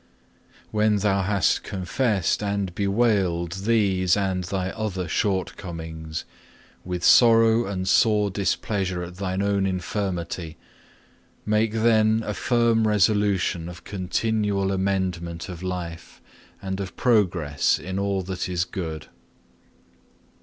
3. When thou hast confessed and bewailed these and thy other shortcomings, with sorrow and sore displeasure at thine own infirmity, make then a firm resolution of continual amendment of life and of progress in all that is good.